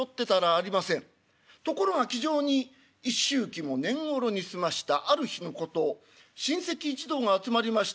ところが気丈に一周忌も懇ろに済ましたある日のこと親戚一同が集まりまして。